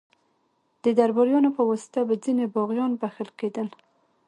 د درباریانو په واسطه به ځینې باغیان بخښل کېدل.